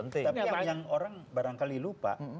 tapi yang orang barangkali lupa